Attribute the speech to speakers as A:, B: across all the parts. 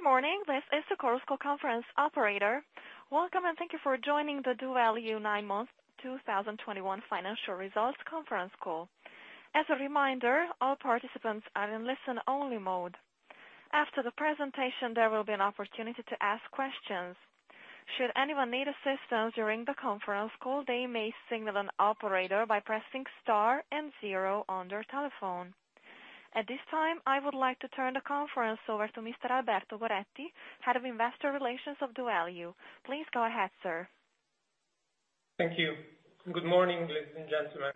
A: Good morning. This is the Chorus Call conference operator. Welcome, and thank you for joining the doValue nine-month 2021 financial results conference call. As a reminder, all participants are in listen-only mode. After the presentation, there will be an opportunity to ask questions. Should anyone need assistance during the conference call, they may signal an operator by pressing star and zero on their telephone. At this time, I would like to turn the conference over to Mr. Alberto Goretti, Head of Investor Relations of doValue. Please go ahead, sir.
B: Thank you. Good morning, ladies and gentlemen.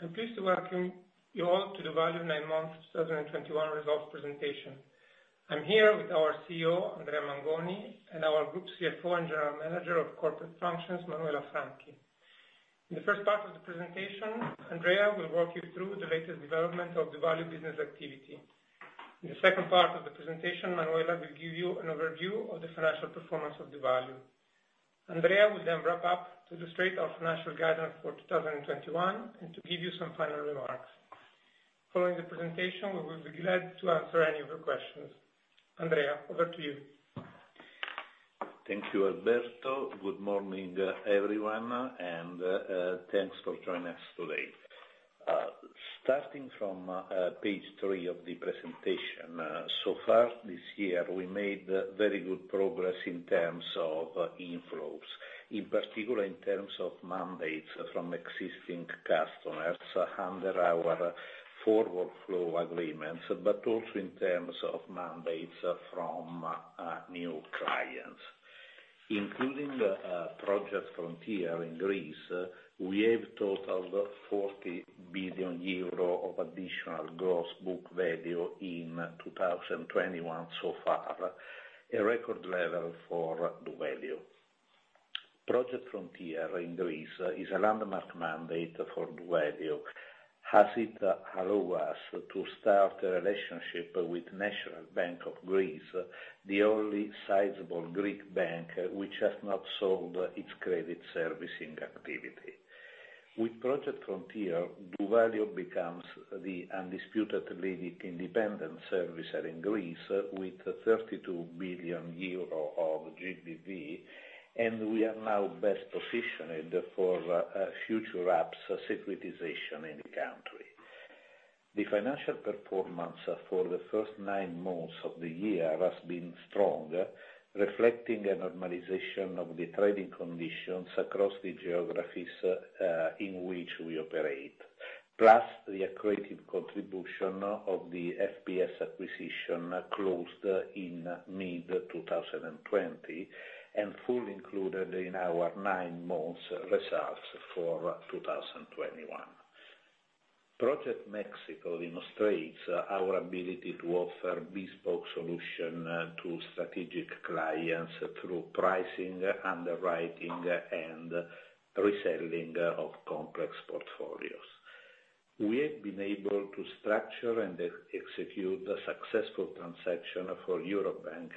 B: I'm pleased to welcome you all to doValue 9 months 2021 results presentation. I'm here with our CEO, Andrea Mangoni, and our Group CFO and General Manager of Corporate Functions, Manuela Franchi. In the first part of the presentation, Andrea will walk you through the latest development of doValue business activity. In the second part of the presentation, Manuela will give you an overview of the financial performance of doValue. Andrea will then wrap up to illustrate our financial guidance for 2021, and to give you some final remarks. Following the presentation, we will be glad to answer any of your questions. Andrea, over to you.
C: Thank you, Alberto. Good morning, everyone, and thanks for joining us today. Starting from page three of the presentation. So far this year, we made very good progress in terms of inflows, in particular in terms of mandates from existing customers under our forward flow agreements, but also in terms of mandates from new clients. Including the Project Frontier in Greece, we have totaled 40 billion euro of additional gross book value in 2021 so far, a record level for doValue. Project Frontier in Greece is a landmark mandate for doValue, as it allow us to start a relationship with National Bank of Greece, the only sizable Greek bank which has not sold its credit servicing activity. With Project Frontier, doValue becomes the undisputed leading independent servicer in Greece with 32 billion euro of GBV, and we are now best positioned for future ABS securitization in the country. The financial performance for the first nine months of the year has been strong, reflecting a normalization of the trading conditions across the geographies in which we operate, plus the accretive contribution of the FPS acquisition closed in mid-2020, and fully included in our nine-month results for 2021. Project Mexico demonstrates our ability to offer bespoke solution to strategic clients through pricing, underwriting, and reselling of complex portfolios. We have been able to structure and execute a successful transaction for Eurobank,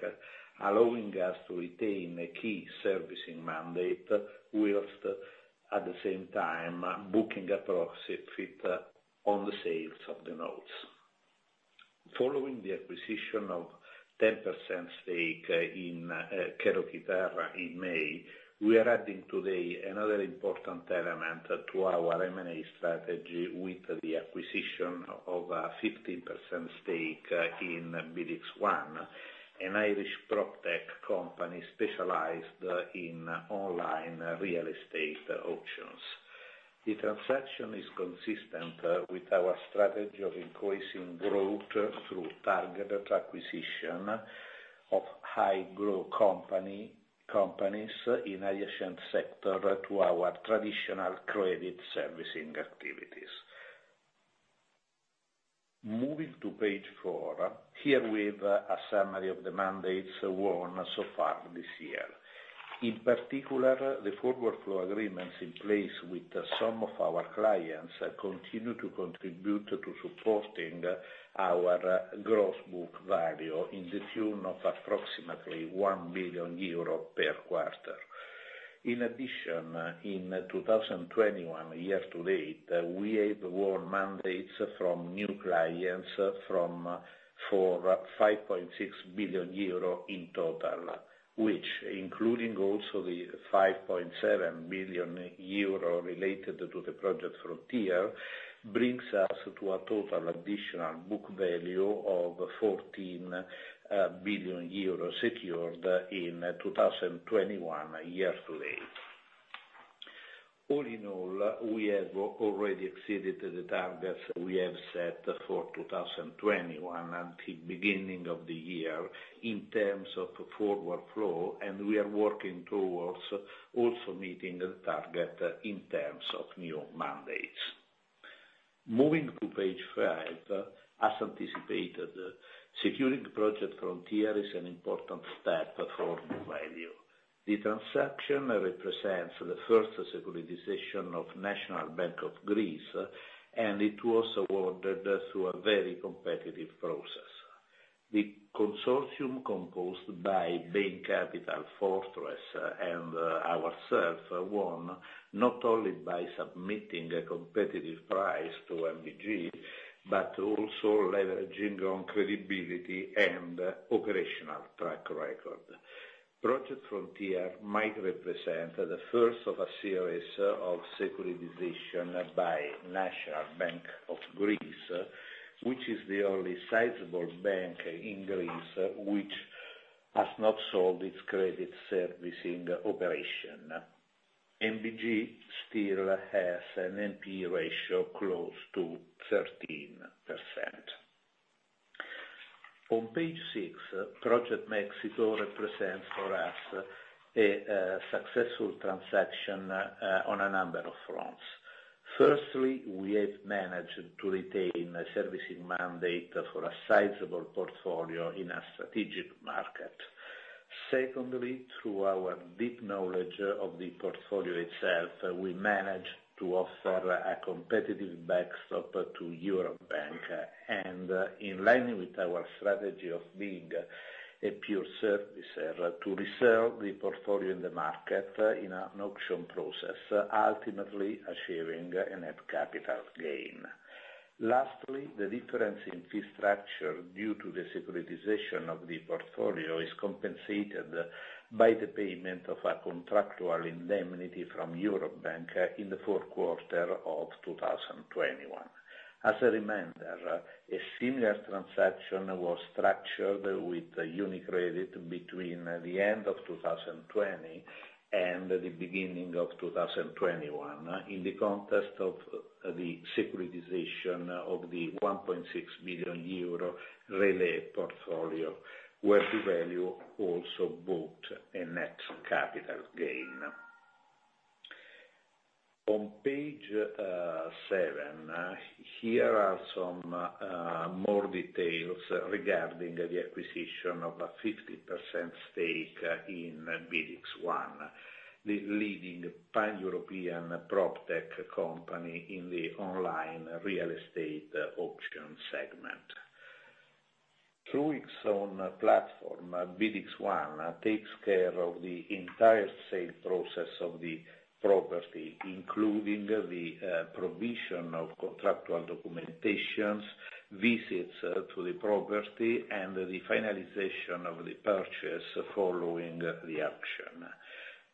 C: allowing us to retain a key servicing mandate, while at the same time booking a profit on the sales of the notes. Following the acquisition of 10% stake in QueroQuitar in May, we are adding today another important element to our M&A strategy with the acquisition of a 15% stake in BidX1, an Irish proptech company specialized in online real estate auctions. The transaction is consistent with our strategy of increasing growth through targeted acquisition of high-growth companies in adjacent sector to our traditional credit servicing activities. Moving to page four. Here we have a summary of the mandates won so far this year. In particular, the forward flow agreements in place with some of our clients continue to contribute to supporting our gross book value to the tune of approximately 1 billion euro per quarter. In addition, in 2021 year to date, we have won mandates from new clients for 5.6 billion euro in total, which including also the 5.7 billion euro related to the Project Frontier, brings us to a total additional book value of 14 billion euros secured in 2021 year to date. All in all, we have already exceeded the targets we have set for 2021 until beginning of the year in terms of forward flow, and we are working towards also meeting the target in terms of new mandates. Moving to page five. As anticipated, securing Project Frontier is an important step for doValue. The transaction represents the first securitization of National Bank of Greece, and it was awarded through a very competitive process. The consortium composed by Bain Capital, Fortress, and ourselves won, not only by submitting a competitive price to NBG, but also leveraging on credibility and operational track record. Project Frontier might represent the first of a series of securitization by National Bank of Greece, which is the only sizable bank in Greece which has not sold its credit servicing operation. NBG still has an NPE ratio close to 13%. On page six, Project Mexico represents for us a successful transaction on a number of fronts. Firstly, we have managed to retain a servicing mandate for a sizable portfolio in a strategic market. Secondly, through our deep knowledge of the portfolio itself, we managed to offer a competitive backstop to Eurobank, and in line with our strategy of being a pure servicer, to resell the portfolio in the market in an auction process, ultimately achieving a net capital gain. Lastly, the difference in fee structure due to the securitization of the portfolio is compensated by the payment of a contractual indemnity from Eurobank in the fourth quarter of 2021. As a reminder, a similar transaction was structured with UniCredit between the end of 2020 and the beginning of 2021. In the context of the securitization of the 1.6 billion euro relay portfolio, where doValue also booked a net capital gain. On page seven, here are some more details regarding the acquisition of a 50% stake in BidX1, the leading pan-European proptech company in the online real estate auction segment. Through its own platform, BidX1 takes care of the entire sale process of the property, including the provision of contractual documentations, visits to the property, and the finalization of the purchase following the auction.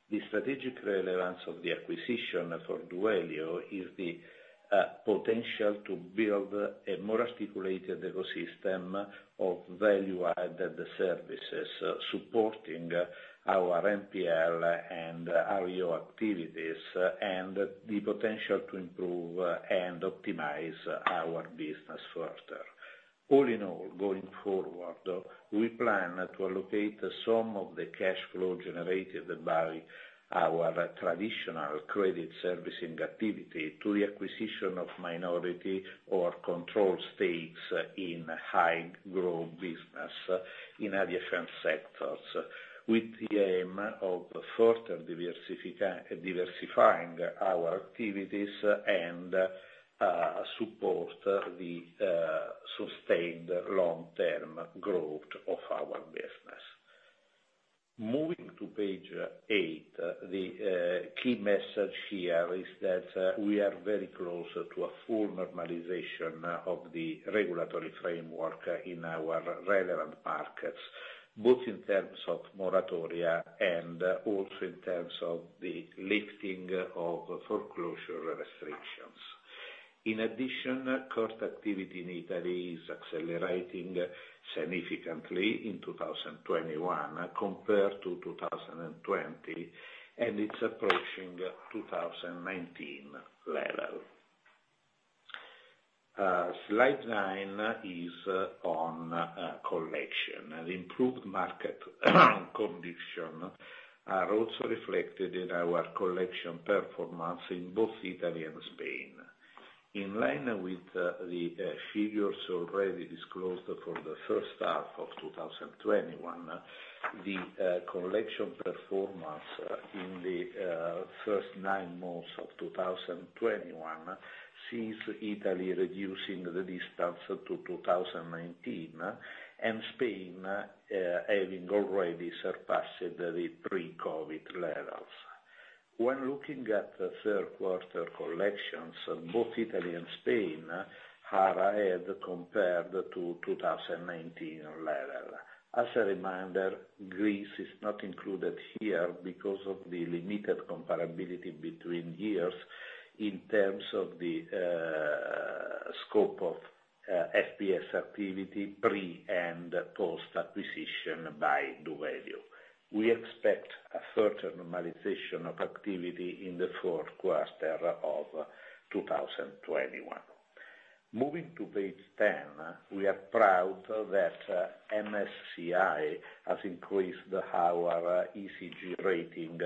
C: The strategic relevance of the acquisition for doValue is the potential to build a more articulated ecosystem of value-added services, supporting our NPL and REO activities and the potential to improve and optimize our business further. All in all, going forward, we plan to allocate some of the cash flow generated by our traditional credit servicing activity to the acquisition of minority or control stakes in high-growth business in adjacent sectors, with the aim of further diversifying our activities and supporting the sustained long-term growth of our business. Moving to page eight, the key message here is that we are very close to a full normalization of the regulatory framework in our relevant markets, both in terms of moratoria and also in terms of the lifting of foreclosure restrictions. In addition, court activity in Italy is accelerating significantly in 2021 compared to 2020, and it's approaching 2019 levels. Slide nine is on collection. The improved market conditions are also reflected in our collection performance in both Italy and Spain. In line with the figures already disclosed for the first half of 2021, the collection performance in the first 9 months of 2021 sees Italy reducing the distance to 2019, and Spain having already surpassed the pre-COVID levels. When looking at the third quarter collections, both Italy and Spain are ahead compared to 2019 levels. As a reminder, Greece is not included here because of the limited comparability between years in terms of the scope of FPS activity pre and post-acquisition by doValue. We expect a further normalization of activity in the fourth quarter of 2021. Moving to page 10, we are proud that MSCI has increased our ESG rating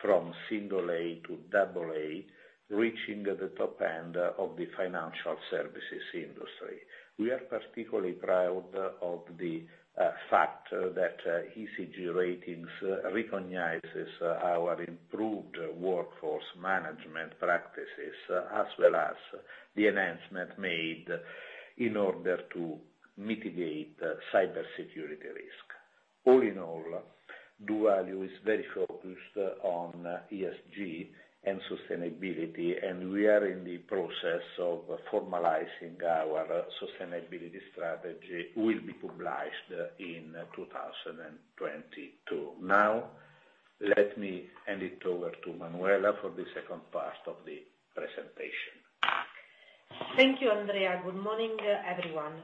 C: from single A to double A, reaching the top end of the financial services industry. We are particularly proud of the fact that ESG ratings recognizes our improved workforce management practices, as well as the enhancement made in order to mitigate cybersecurity risk. All in all, doValue is very focused on ESG and sustainability, and we are in the process of formalizing our sustainability strategy, will be published in 2022. Now, let me hand it over to Manuela for the second part of the presentation.
D: Thank you, Andrea. Good morning, everyone.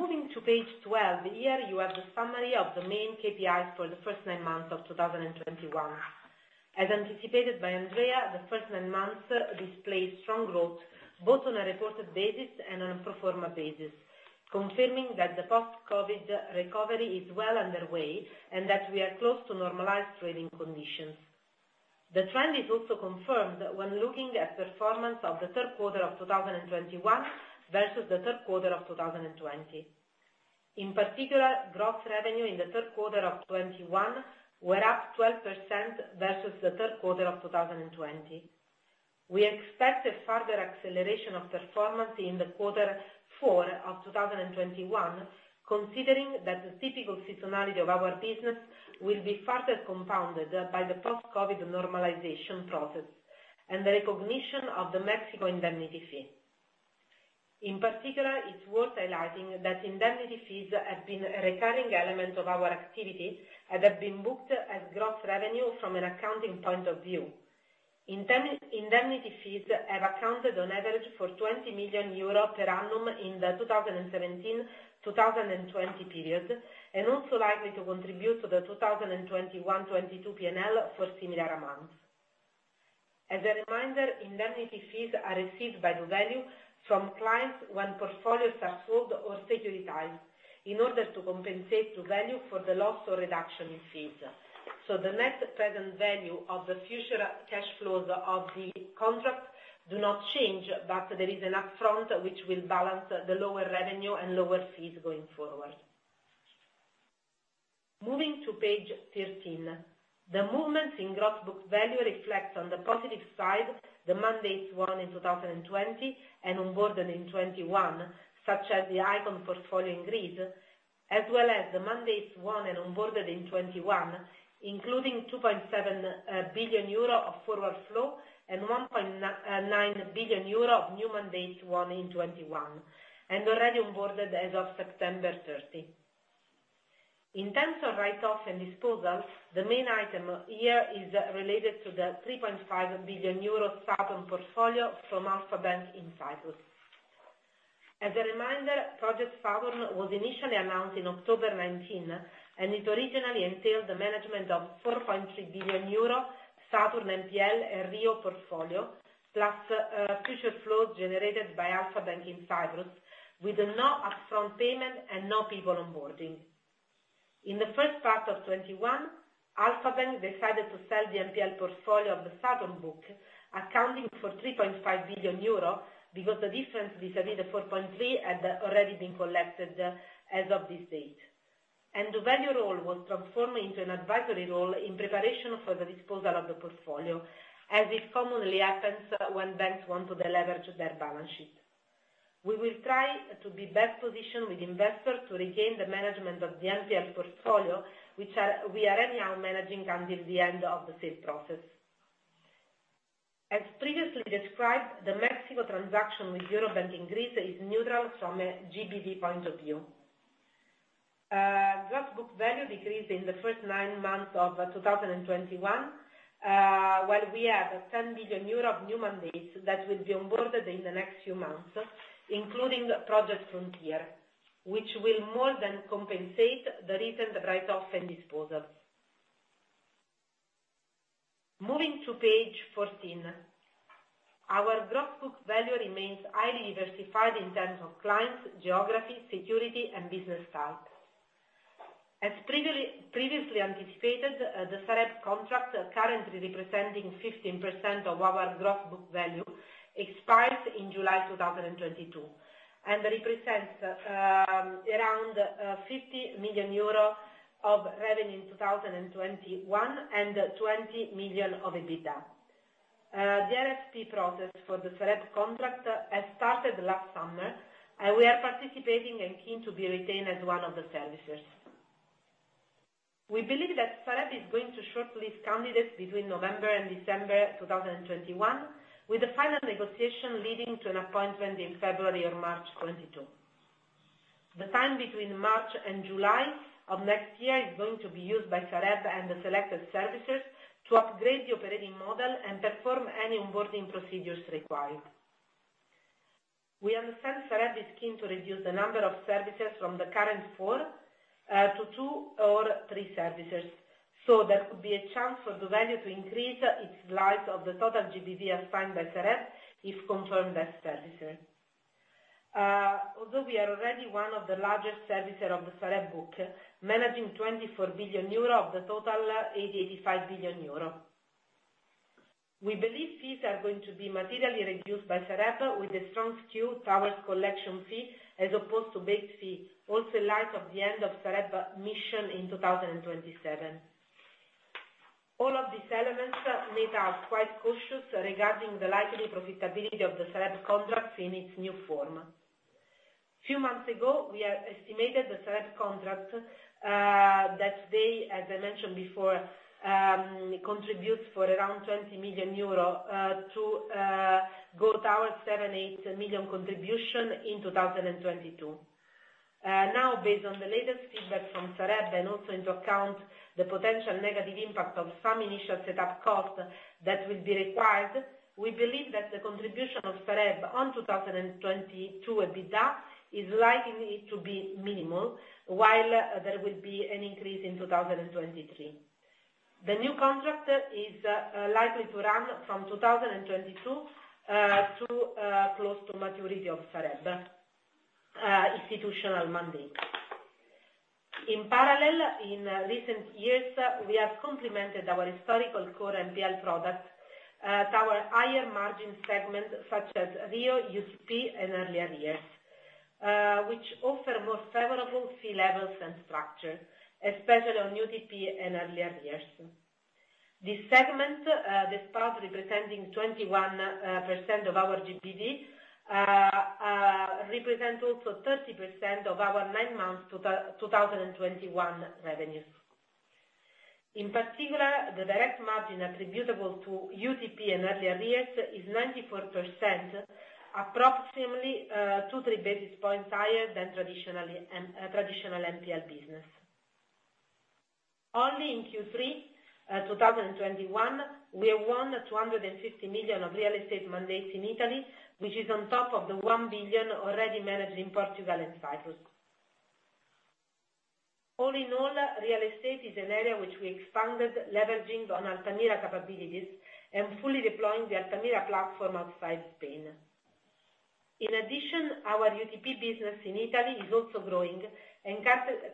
D: Moving to page 12, here you have the summary of the main KPIs for the first nine months of 2021. As anticipated by Andrea, the first nine months displayed strong growth, both on a reported basis and on a pro forma basis, confirming that the post-COVID recovery is well underway and that we are close to normalized trading conditions. The trend is also confirmed when looking at performance of the third quarter of 2021 versus the third quarter of 2020. In particular, gross revenue in the third quarter of 2021 were up 12% versus the third quarter of 2020. We expect a further acceleration of performance in quarter four of 2021, considering that the typical seasonality of our business will be further compounded by the post-COVID normalization process and the recognition of the Mexico indemnity fee. In particular, it's worth highlighting that indemnity fees have been a recurring element of our activity and have been booked as gross revenue from an accounting point of view. Indemnity fees have accounted on average for 20 million euro per annum in the 2017-2020 period, and also likely to contribute to the 2021-2022 PNL for similar amounts. As a reminder, indemnity fees are received by doValue from clients when portfolios are sold or securitized in order to compensate doValue for the loss or reduction in fees. The net present value of the future cash flows of the contract do not change, but there is an upfront which will balance the lower revenue and lower fees going forward. Moving to page 13. The movements in gross book value reflects on the positive side, the mandates won in 2020 and onboarded in 2021, such as the Icon portfolio in Greece, as well as the mandates won and onboarded in 2021, including 2.7 billion euro of forward flow and 1.9 billion euro of new mandates won in 2021, and already onboarded as of September 30. In terms of write-off and disposal, the main item here is related to the 3.5 billion euro Saturn portfolio from Alpha Bank in Cyprus. As a reminder, Project Saturn was initially announced in October 2019, and it originally entailed the management of 4.3 billion euro Saturn NPL and REO portfolio, plus future flows generated by Alpha Bank in Cyprus, with no upfront payment and no people onboarding. In the first part of 2021, Alpha Bank decided to sell the NPL portfolio of the Saturn book, accounting for 3.5 billion euro, because the difference between the 4.3 had already been collected as of this date. The doValue role was transformed into an advisory role in preparation for the disposal of the portfolio, as it commonly happens when banks want to deleverage their balance sheet. We will try to be best positioned with investors to regain the management of the NPL portfolio, which we are anyhow managing until the end of the sale process. As previously described, the Project Mexico transaction with Eurobank in Greece is neutral from a GBV point of view. Gross book value decreased in the first 9 months of 2021, while we have 10 billion euro of new mandates that will be onboarded in the next few months, including Project Frontier, which will more than compensate the recent write-offs and disposals. Moving to page 14. Our gross book value remains highly diversified in terms of clients, geography, security, and business type. As previously anticipated, the Sareb contract currently representing 15% of our gross book value expires in July 2022, and represents around 50 million euro of revenue in 2021, and 20 million of EBITDA. The RSP process for the Sareb contract has started last summer, and we are participating and keen to be retained as one of the servicers. We believe that Sareb is going to shortlist candidates between November and December 2021, with the final negotiation leading to an appointment in February or March 2022. The time between March and July of next year is going to be used by Sareb and the selected servicers to upgrade the operating model and perform any onboarding procedures required. We understand Sareb is keen to reduce the number of servicers from the current four to two or three servicers. There could be a chance for doValue to increase its slice of the total GBV assigned by Sareb if confirmed as servicer. Although we are already one of the largest servicer of the Sareb book, managing 24 billion euro of the total 80 billion-85 billion euro. We believe fees are going to be materially reduced by Sareb with a strong skew towards collection fee as opposed to base fee, also in light of the end of Sareb mission in 2027. All of these elements make us quite cautious regarding the likely profitability of the Sareb contracts in its new form. Few months ago, we had estimated the Sareb contract that today, as I mentioned before, contributes for around 20 million euro to go towards 7-8 million contribution in 2022. Now based on the latest feedback from Sareb and also taking into account the potential negative impact of some initial setup costs that will be required, we believe that the contribution of Sareb to 2022 EBITDA is likely to be minimal, while there will be an increase in 2023. The new contract is likely to run from 2022 to close to maturity of Sareb's institutional mandate. In parallel, in recent years, we have complemented our historical core NPL product to our higher margin segment such as REO, UTP and early arrears, which offer more favorable fee levels and structure, especially on UTP and early arrears. This segment, despite representing 21% of our GBV, represents also 30% of our nine months 2021 revenue. In particular, the direct margin attributable to UTP and early arrears is 94%, approximately, 23 basis points higher than traditional NPL business. Only in Q3 2021, we have won 250 million of real estate mandates in Italy, which is on top of the 1 billion already managed in Portugal and Cyprus. All in all, real estate is an area which we expanded leveraging on Altamira capabilities and fully deploying the Altamira platform outside Spain. In addition, our UTP business in Italy is also growing and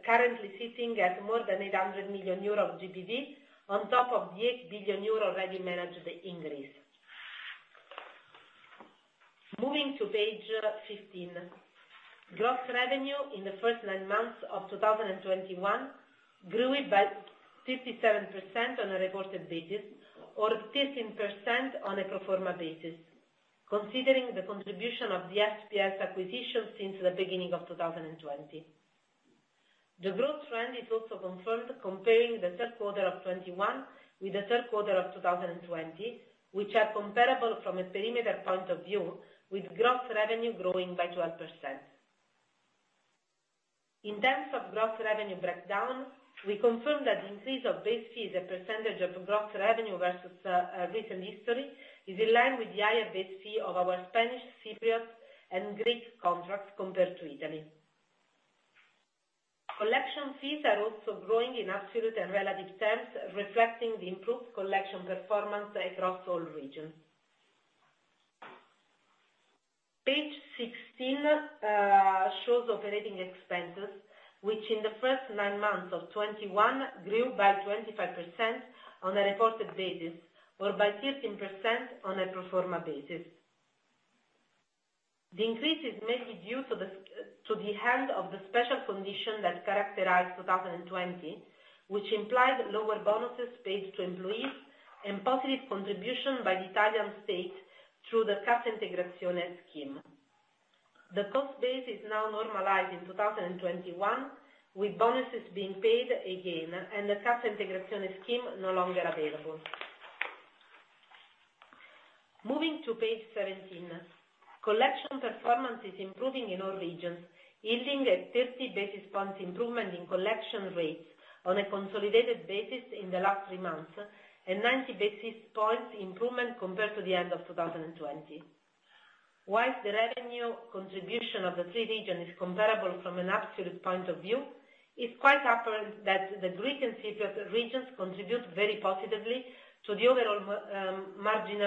D: currently sitting at more than 800 million euros of GBV on top of the 8 billion euros already managed in Greece. Moving to page 15. Gross revenue in the first 9 months of 2021 grew by 57% on a reported basis, or 13% on a pro forma basis, considering the contribution of the FPS acquisition since the beginning of 2020. The growth trend is also confirmed comparing the third quarter of 2021 with the third quarter of 2020, which are comparable from a perimeter point of view, with gross revenue growing by 12%. In terms of gross revenue breakdown, we confirm that increase of base fee as a percentage of gross revenue versus recent history is in line with the higher base fee of our Spanish, Cypriot and Greek contracts compared to Italy. Collection fees are also growing in absolute and relative terms, reflecting the improved collection performance across all regions. Page 16 shows operating expenses, which in the first nine months of 2021 grew by 25% on a reported basis or by 13% on a pro forma basis. The increase is mainly due to the end of the special condition that characterized 2020, which implied lower bonuses paid to employees and positive contribution by the Italian state through the Cassa Integrazione scheme. The cost base is now normalized in 2021, with bonuses being paid again and the Cassa Integrazione scheme no longer available. Moving to page 17. Collection performance is improving in all regions, yielding a 30 basis points improvement in collection rates on a consolidated basis in the last three months, and 90 basis points improvement compared to the end of 2020. While the revenue contribution of the three regions is comparable from an absolute point of view, it's quite apparent that the Greek and Cypriot regions contribute very positively to the overall margin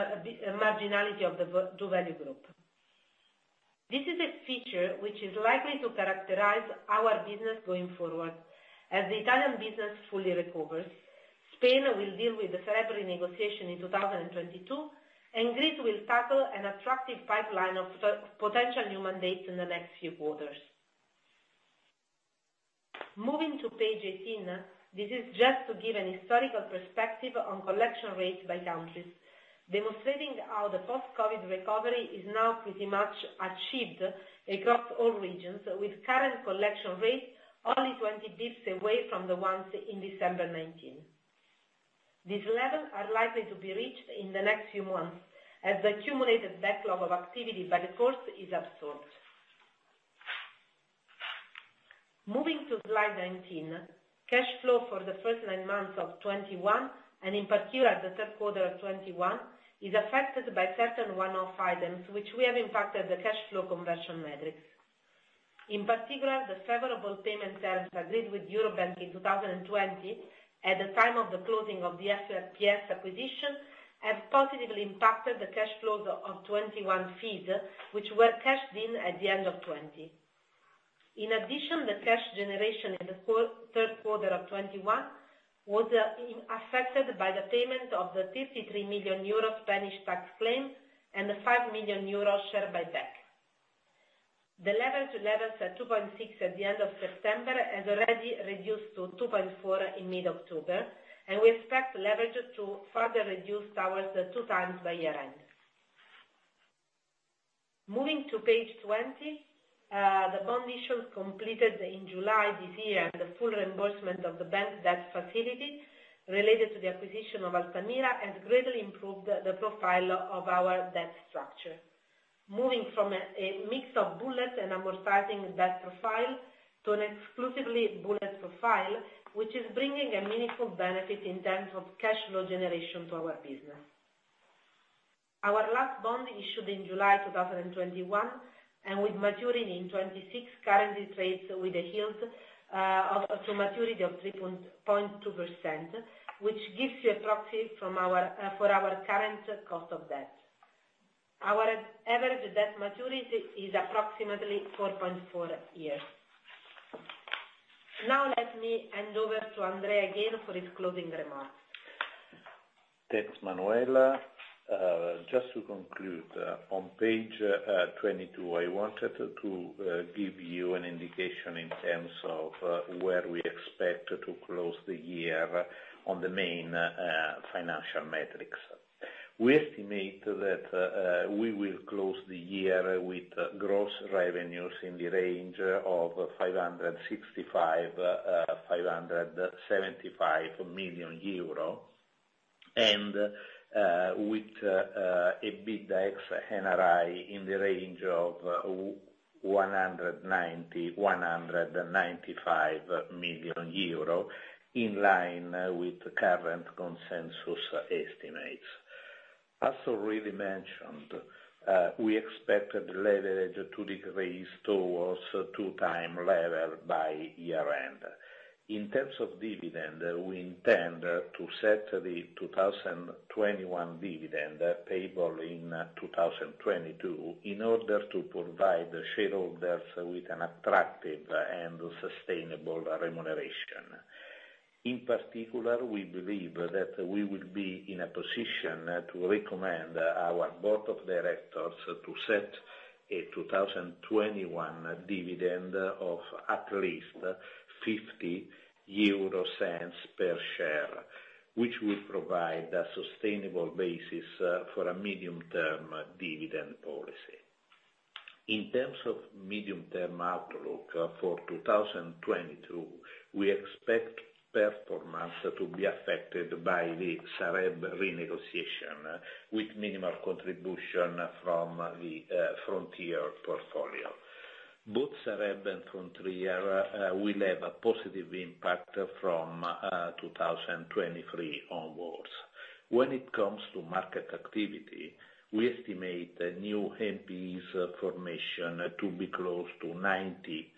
D: marginality of the doValue group. This is a feature which is likely to characterize our business going forward. As the Italian business fully recovers, Spain will deal with the Sareb renegotiation in 2022, and Greece will tackle an attractive pipeline of potential new mandates in the next few quarters. Moving to page 18. This is just to give an historical perspective on collection rates by countries, demonstrating how the post-COVID recovery is now pretty much achieved across all regions, with current collection rates only 20 basis points away from the ones in December 2019. These levels are likely to be reached in the next few months as the accumulated backlog of activity by the courts is absorbed. Moving to slide 19. Cash flow for the first nine months of 2021, and in particular the third quarter of 2021, is affected by certain one-off items which have impacted the cash flow conversion metrics. In particular, the favorable payment terms agreed with Eurobank in 2020 at the time of the closing of the FPS acquisition have positively impacted the cash flows of 2021 fees, which were cashed in at the end of 2020. In addition, the cash generation in the third quarter of 2021 was affected by the payment of the 53 million euro Spanish tax claim and the 5 million euro share buyback. The leverage levels at 2.6 at the end of September has already reduced to 2.4 in mid-October, and we expect leverage to further reduce towards 2x by year-end. Moving to page 20, the bond issues completed in July this year, and the full reimbursement of the bank debt facility related to the acquisition of Altamira has greatly improved the profile of our debt structure. Moving from a mix of bullet and amortizing debt profile to an exclusively bullet profile, which is bringing a meaningful benefit in terms of cash flow generation to our business. Our last bond issued in July 2021, and with maturing in 2026, currently trades with a yield to maturity of 3.2%, which gives you a proxy for our current cost of debt. Our average debt maturity is approximately 4.4 years. Now let me hand over to Andrea again for his closing remarks.
C: Thanks, Manuela. Just to conclude, on page 22, I wanted to give you an indication in terms of where we expect to close the year on the main financial metrics. We estimate that we will close the year with gross revenues in the range of 565 million-575 million euro and with a EBITDA ex-NRI in the range of 190 million-195 million euro, in line with the current consensus estimates. As already mentioned, we expect the leverage to decrease towards two times leverage by year-end. In terms of dividend, we intend to set the 2021 dividend payable in 2022 in order to provide shareholders with an attractive and sustainable remuneration. In particular, we believe that we will be in a position to recommend our board of directors to set a 2021 dividend of at least 0.50 per share, which will provide a sustainable basis for a medium-term dividend policy. In terms of medium-term outlook for 2022, we expect performance to be affected by the Sareb renegotiation, with minimal contribution from the Frontier portfolio. Both Sareb and Frontier will have a positive impact from 2023 onwards. When it comes to market activity, we estimate the new NPEs formation to be close to 90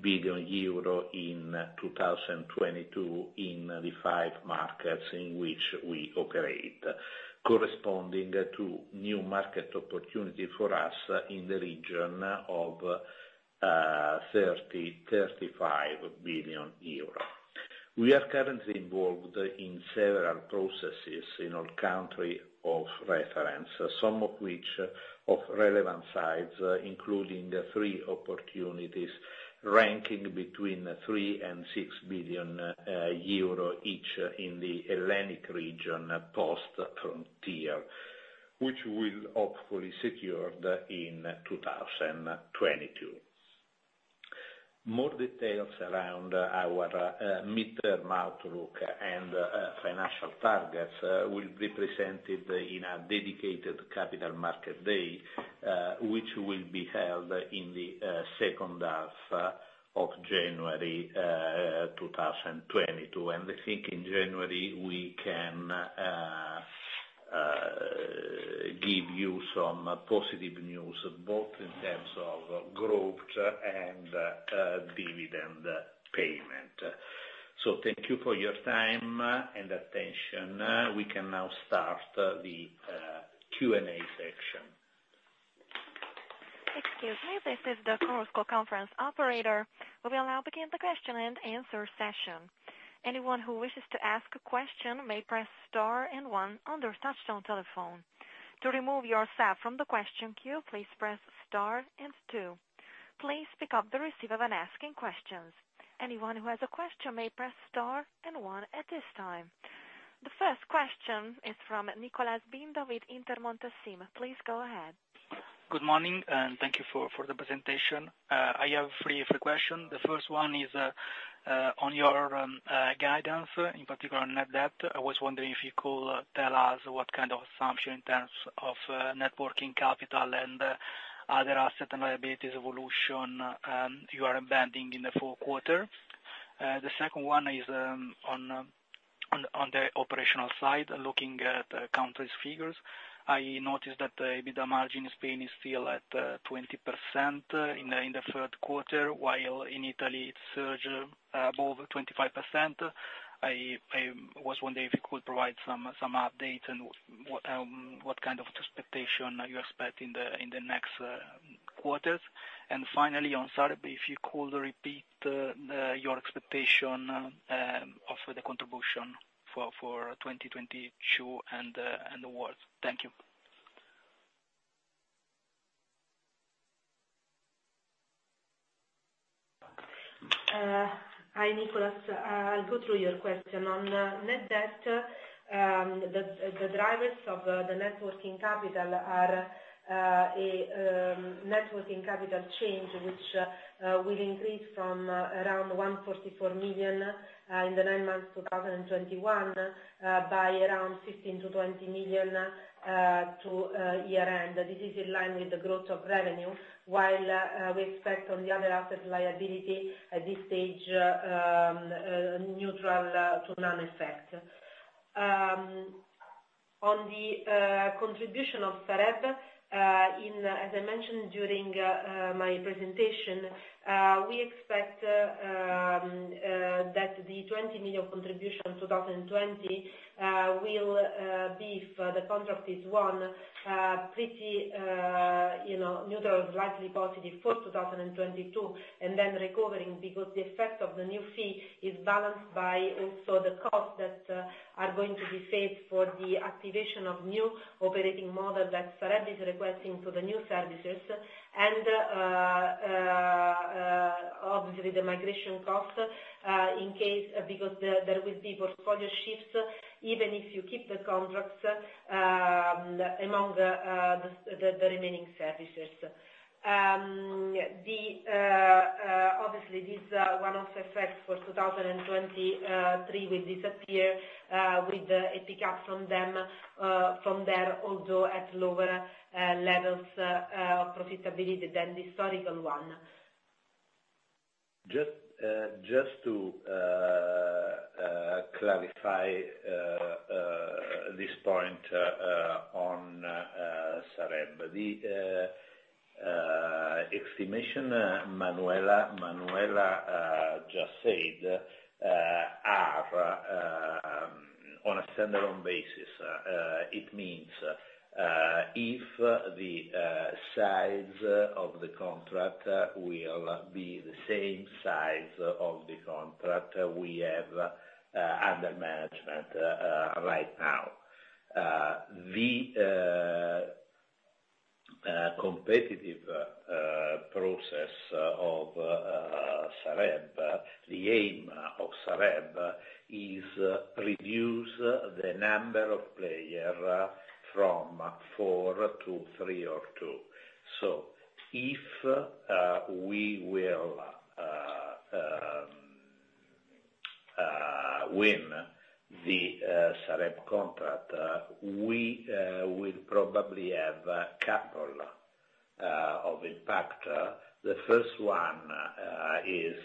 C: billion euro in 2022 in the five markets in which we operate, corresponding to new market opportunity for us in the region of 30 billion-35 billion euro. We are currently involved in several processes in our country of reference, some of which of relevant size, including the three opportunities ranking between 3 billion and 6 billion euro each in the Hellenic region post Frontier, which will hopefully secured in 2022. More details around our mid-term outlook and financial targets will be presented in a dedicated capital market day, which will be held in the second half of January 2022. I think in January we can give you some positive news both in terms of growth and dividend payment. Thank you for your time and attention. We can now start the Q&A section.
A: Excuse me, this is the Chorus Call conference operator. We will now begin the question-and-answer session. Anyone who wishes to ask a question may press star and one on their touchtone telephone. To remove yourself from the question queue, please press star and two. Please pick up the receiver when asking questions. Anyone who has a question may press star and one at this time. The first question is from Niccolò Binda with Intermonte. Please go ahead.
E: Good morning, and thank you for the presentation. I have three brief questions. The first one is on your guidance, in particular net debt. I was wondering if you could tell us what kind of assumption in terms of working capital and other assets and liabilities evolution you are embedding in the fourth quarter. The second one is on the operational side, looking at company's figures. I noticed that the EBITDA margin in Spain is still at 20% in the third quarter, while in Italy it surged above 25%. I was wondering if you could provide some update on what kind of expectation you expect in the next quarters. Finally, on Sareb, if you could repeat your expectation of the contribution for 2022 and awards. Thank you.
D: Hi, Nicolò. I'll go through your question. On net debt, the drivers of the net working capital are a net working capital change, which will increase from around 144 million in the nine months 2021 by around 15 million-20 million to year-end. This is in line with the growth of revenue, while we expect on the other assets and liabilities at this stage neutral to no effect. On the contribution of Sareb, as I mentioned during my presentation, we expect that the 20 million contribution 2020 will be, if the contract is won, pretty, you know, neutral, slightly positive for 2022, and then recovering because the effect of the new fee is balanced by also the costs that are going to be saved for the activation of new operating model that Sareb is requesting to the new services and obviously the migration cost, in case because there will be portfolio shifts, even if you keep the contracts, among the remaining services. Obviously this one-off effect for 2023 will disappear with a pickup from them from there, although at lower levels of profitability than the historical one.
C: Just to clarify this point on Sareb. The estimation Manuela just said are on a standalone basis. It means if the size of the contract will be the same size of the contract we have under management right now. The competitive process of Sareb, the aim of Sareb is reduce the number of player from four to three or two. If we will win the Sareb contract, we will probably have a couple of impact. The first one is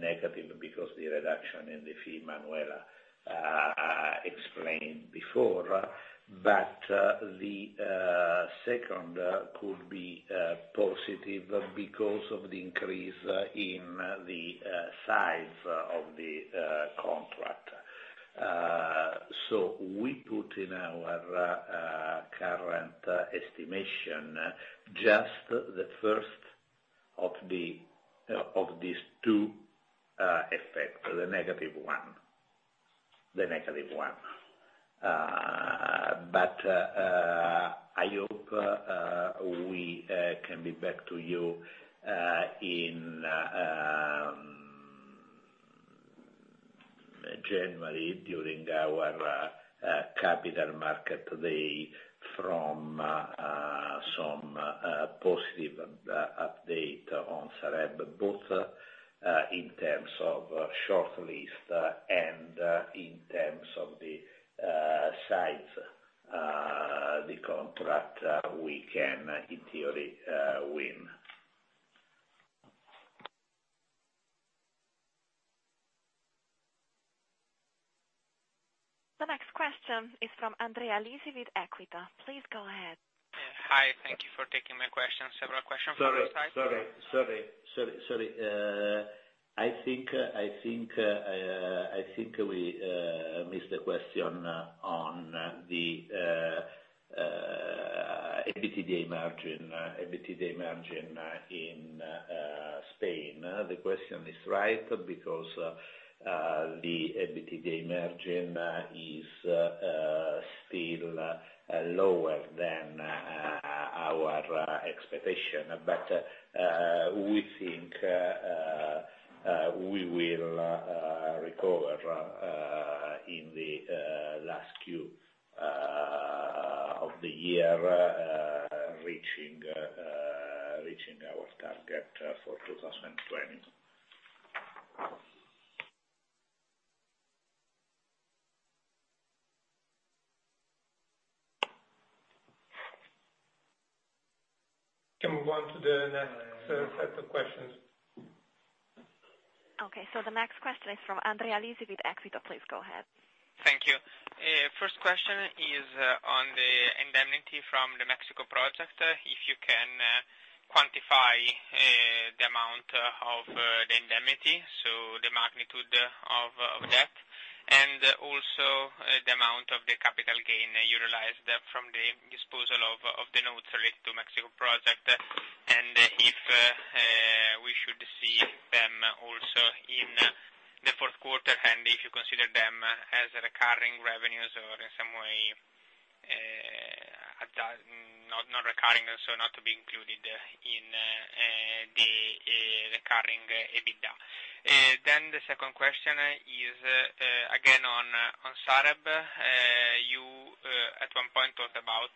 C: negative because the reduction in the fee Manuela explained before. The second could be positive because of the increase in the size of the contract. We put in our current estimation just the first of these two effects, the negative one. I hope we can be back to you in January during our capital market day with some positive update on Sareb, both in terms of short list and in terms of the size of the contract we can in theory win.
A: The next question is from Andrea Lisi with Equita. Please go ahead.
F: Hi. Thank you for taking my question. Several questions for you guys.
C: Sorry. I think we missed a question on the EBITDA margin in Spain. The question is right because the EBITDA margin is still lower than our expectation. We think we will recover in the last Q of the year, reaching our target for 2020.
B: Can we move on to the next set of questions?
A: Okay. The next question is from Andrea Lisi with Equita. Please go ahead.
F: Thank you. First question is on the indemnity from the Project Mexico, if you can quantify the amount of the indemnity, so the magnitude of that, and also the amount of the capital gain utilized from the disposal of the notes related to Project Mexico, and if we should see them also in the fourth quarter and if you consider them as recurring revenues or in some way, not recurring, so not to be included in the recurring EBITDA. Second question is again on Sareb. You at one point talked about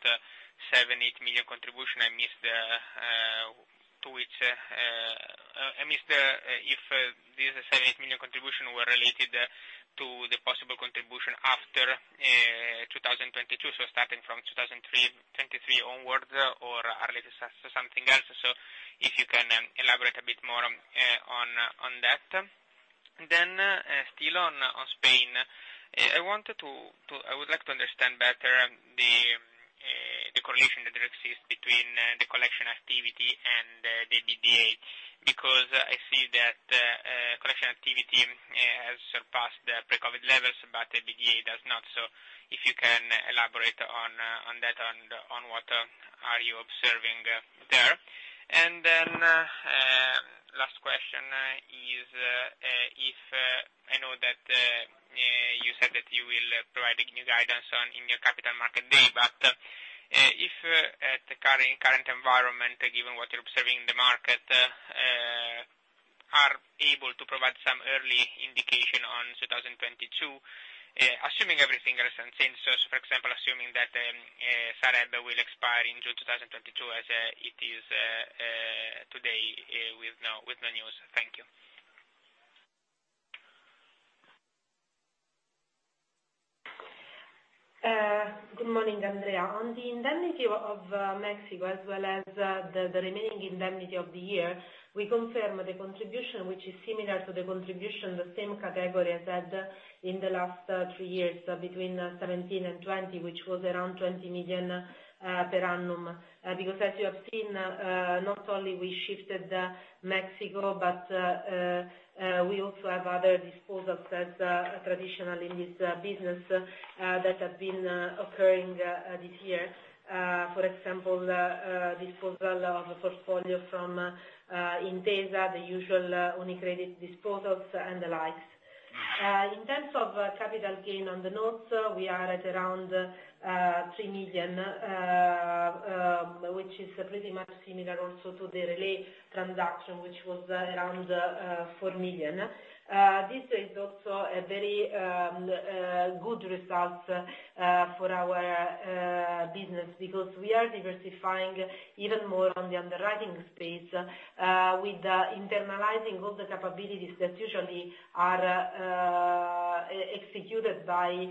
F: 7-8 million contribution. I missed if this 7 million-8 million contribution were related to the possible contribution after 2022, so starting from 2023 onwards or are related to something else. If you can elaborate a bit more on that. Still on Spain, I would like to understand better the correlation that there exists between the collection activity and the EBITDA, because I see that collection activity has surpassed the pre-COVID levels, but the EBITDA does not. If you can elaborate on that and on what are you observing there. Last question is, if I know that you said that you will be providing new guidance on in your Capital Markets Day, but if at the current environment, given what you're observing in the market, you are able to provide some early indication on 2022, assuming everything remains the same. For example, assuming that Sareb will expire in June 2022 as it is today, with no news. Thank you.
D: Good morning, Andrea. On the income of Mexico as well as the remaining income of the year, we confirm the contribution, which is similar to the contribution the same category has had in the last three years, between 17 and 20, which was around 20 million per annum. Because as you have seen, not only we shifted Mexico, but we also have other disposals that are traditional in this business that have been occurring this year. For example, disposal of a portfolio from Intesa, the usual UniCredit disposals and the likes. In terms of capital gain on the notes, we are at around 3 million, which is pretty much similar also to the Relay transaction, which was around 4 million. This is also a very good result for our business because we are diversifying even more on the underwriting space with internalizing all the capabilities that usually are executed by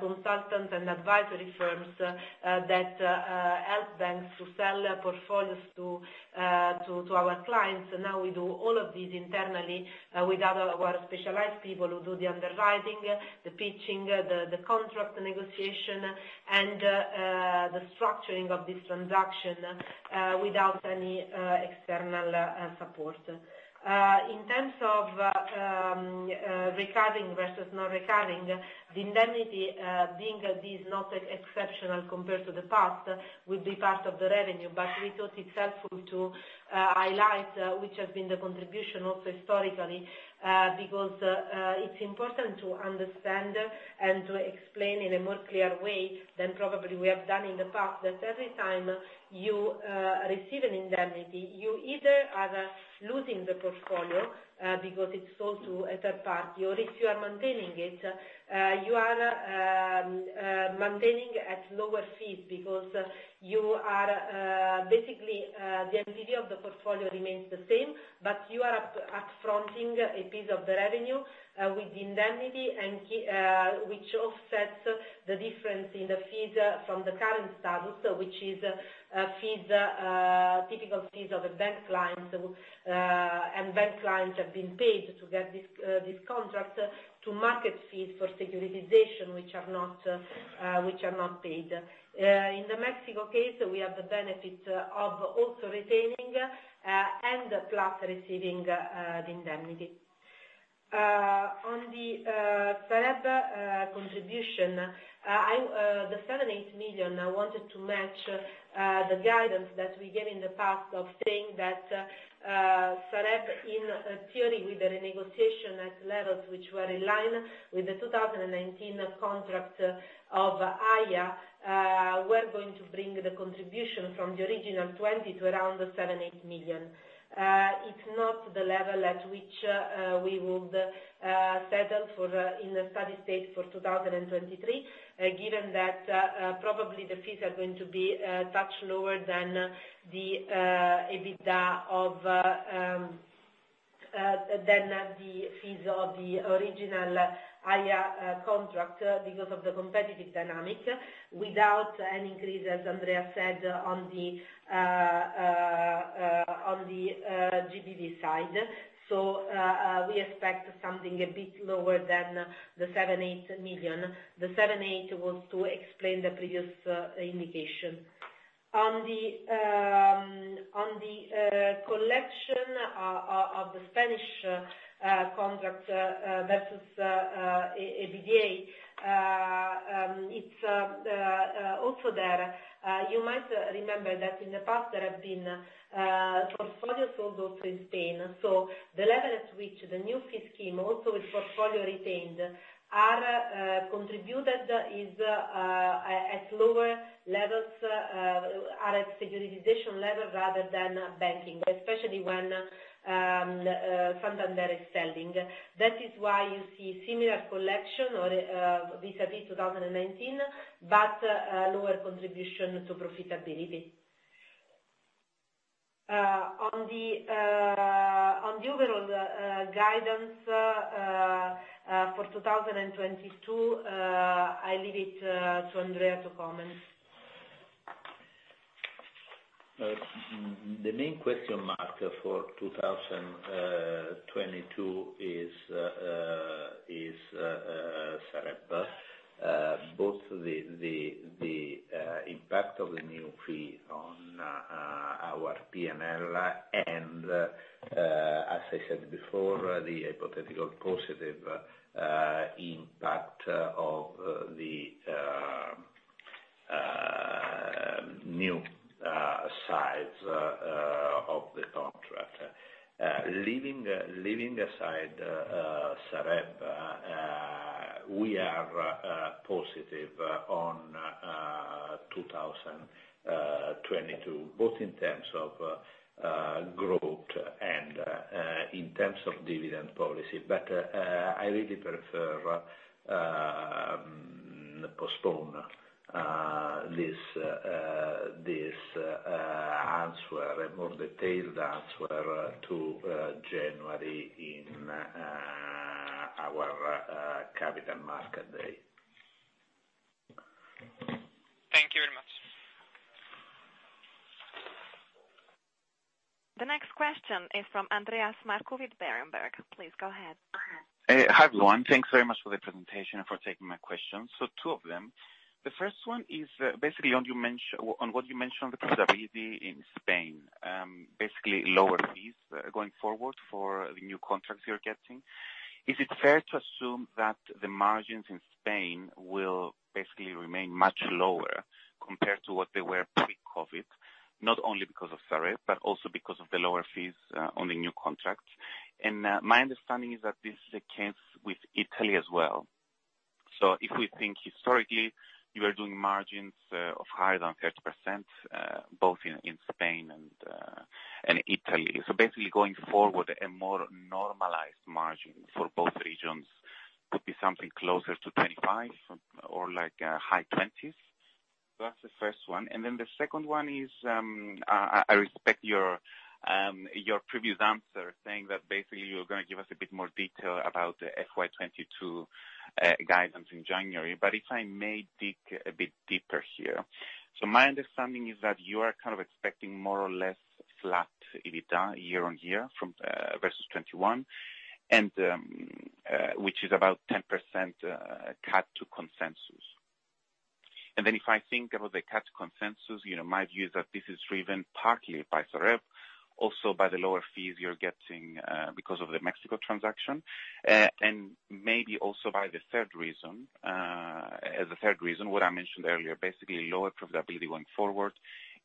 D: consultants and advisory firms that help banks to sell portfolios to our clients. Now we do all of these internally with our specialized people who do the underwriting, the pitching, the contract negotiation and the structuring of this transaction without any external support. In terms of recurring versus not recurring, the indemnity being this not exceptional compared to the past, will be part of the revenue. We thought it's helpful to highlight which has been the contribution also historically, because it's important to understand and to explain in a more clear way than probably we have done in the past, that every time you receive an indemnity, you either are losing the portfolio because it's sold to a third party, or if you are maintaining it, you are maintaining at lower fees because you are basically the activity of the portfolio remains the same, but you are upfronting a piece of the revenue with the indemnity, which offsets the difference in the fees from the current status, which is fees, typical fees of a bank client, and bank clients have been paid to get this contract to market fees for securitization which are not paid. In the Mexico case, we have the benefit of also retaining, and plus receiving, the indemnity. On the Sareb contribution, the 7-8 million wanted to match the guidance that we gave in the past of saying that Sareb, in theory, with the renegotiation at levels which were in line with the 2019 contract of Haya, were going to bring the contribution from the original 20 million to around 7-8 million. It's not the level at which we would settle for in the steady state for 2023, given that probably the fees are going to be a touch lower than the EBITDA of than the fees of the original Haya contract because of the competitive dynamic without an increase, as Andrea said on the GBP side. We expect something a bit lower than the 7-8 million. The 7-8 was to explain the previous indication. On the collection of the Spanish contract versus EBITDA, it's also there, you might remember that in the past there have been portfolio sold also in Spain. The level at which the new fee scheme also with portfolio retained are contributed is at lower levels, at a securitization level rather than banking, especially when fund owner is selling. That is why you see similar collection or vis-à-vis 2019, but lower contribution to profitability. On the overall guidance for 2022, I leave it to Andrea to comment.
C: The main question mark for 2022 is Sareb, both the impact of the new fee on our PNL and, as I said before, the hypothetical positive impact of the new sides of the contract. Leaving aside Sareb, we are positive on 2022, both in terms of growth and in terms of dividend policy. I really prefer to postpone this answer, a more detailed answer to January in our capital market day.
F: Thank you very much.
A: The next question is from Andreas Markou with Berenberg. Please go ahead.
G: Hi, everyone. Thanks very much for the presentation and for taking my questions. Two of them. The first one is basically on what you mentioned on the profitability in Spain. Basically lower fees going forward for the new contracts you're getting. Is it fair to assume that the margins in Spain will basically remain much lower compared to what they were pre-COVID, not only because of Sareb, but also because of the lower fees on the new contracts? My understanding is that this is the case with Italy as well. If we think historically, you are doing margins of higher than 30%, both in Spain and Italy. Basically going forward, a more normalized margin for both regions could be something closer to 25% or like high 20s. That's the first one. The second one is, I respect your previous answer saying that basically you're gonna give us a bit more detail about the FY 2022 guidance in January. If I may dig a bit deeper here. My understanding is that you are kind of expecting more or less flat EBITDA year-on-year versus 2021, which is about 10% cut to consensus. If I think about the cut consensus, you know, my view is that this is driven partly by Sareb, also by the lower fees you're getting because of the Mexico transaction, and maybe also by the third reason what I mentioned earlier, basically lower profitability going forward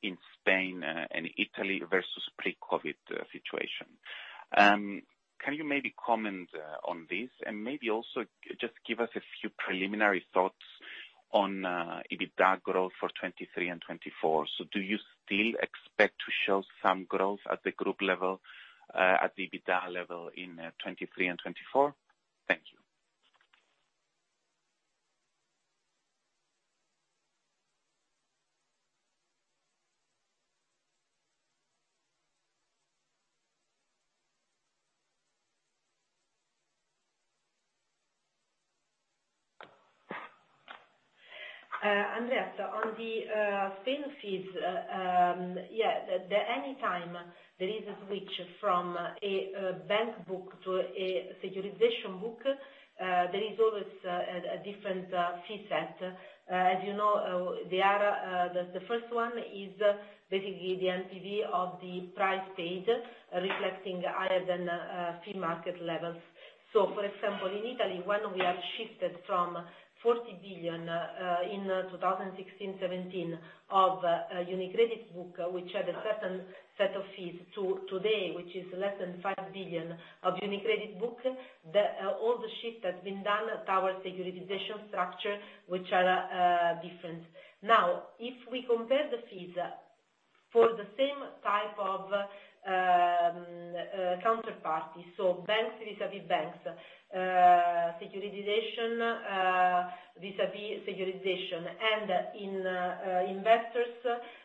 G: in Spain and Italy versus pre-COVID situation. Can you maybe comment on this and maybe also just give us a few preliminary thoughts on EBITDA growth for 2023 and 2024? Do you still expect to show some growth at the group level at the EBITDA level in 2023 and 2024? Thank you.
D: Andreas, on the Spain fees, yeah, the any time there is a switch from a bank book to a securitization book, there is always a different fee set. As you know, they are the first one is basically the NPV of the price paid, reflecting higher than fee market levels. For example, in Italy, when we have shifted from 40 billion in 2016-17 of UniCredit book, which had a certain set of fees, to today, which is less than 5 billion of UniCredit book, all the shift has been done towards securitization structure, which are different. Now, if we compare the fees for the same type of counterparty, so banks vis-à-vis banks, securitization vis-à-vis securitization, and investors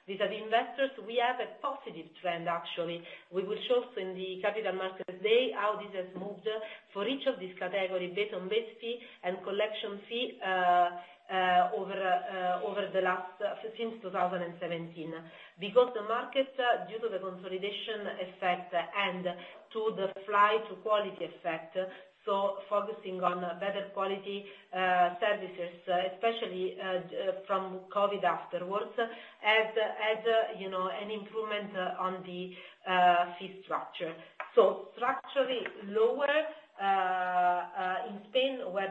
D: vis-à-vis investors, we have a positive trend actually. We will show in the Capital Markets Day how this has moved for each of these categories, based on base fee and collection fee, over the last since 2017. Because the market, due to the consolidation effect and to the flight to quality effect, so focusing on better quality services, especially from COVID afterwards, had you know, an improvement on the fee structure. Structurally lower. But